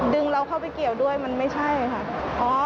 เราเข้าไปเกี่ยวด้วยมันไม่ใช่ค่ะ